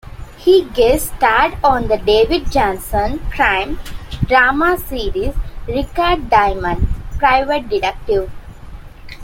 He guest-starred on the David Janssen crime drama series "Richard Diamond, Private Detective".